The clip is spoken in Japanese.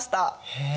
へえ。